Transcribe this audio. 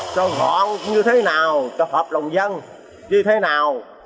cho họ như thế nào cho hợp lòng dân như thế nào